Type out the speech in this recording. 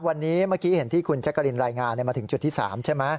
วันนี้เมื่อกี้เห็นที่คุณแจ๊กกะรีนรายงานมาถึงจุดที่๓ใช่ไหม